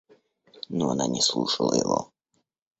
Но она не слушала его.